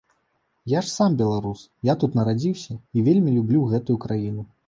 Я ж сам беларус, я тут нарадзіўся і вельмі люблю гэтую краіну.